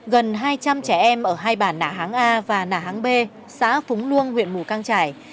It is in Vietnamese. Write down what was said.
gần hai trăm linh trẻ em ở hai bản nạ háng a và nạ háng b xã phúng luân huyện mù căng trải